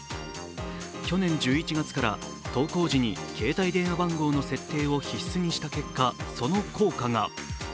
去年１１月から投稿時に携帯電話番号の設定を必須にした結果、その効果が。